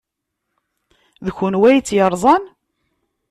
D kenwi ay tt-yerẓan?